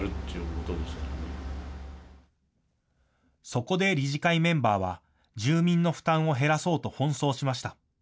そこで理事会メンバーは住民の負担を減らそうと奔走しました。